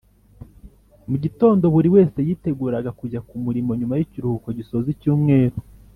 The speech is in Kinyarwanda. mu gitondo buri wese yiteguraga kujya ku murimo, nyuma y’ikiruhuko gisoza icyumweru.